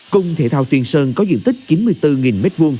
cung thể thao tiên sơn có diện tích chín mươi bốn m hai